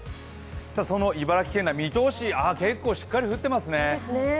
その茨城県内、水戸市、結構しっかり降ってますね。